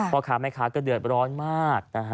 พ่อค้าแม่ค้าก็เดือดร้อนมากนะฮะ